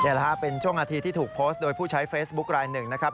เดี๋ยวล่ะฮะเป็นช่วงอาทิตย์ที่ถูกโพสต์โดยผู้ใช้เฟซบุ๊คไลน์หนึ่งนะครับ